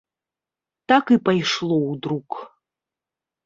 Так і пайшло ў друк.